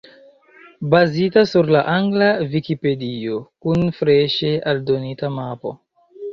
Bazita sur la angla Vikipedio, kun freŝe aldonita mapo.